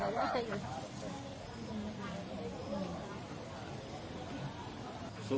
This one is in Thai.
เร็ว